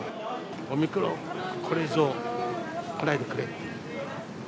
オミクロン、これ以上来ないでくれと。